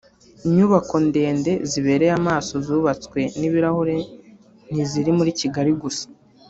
Inyubako ndende zibereye amaso zubatswe n’ibirahure ntiziri muri Kigali gusa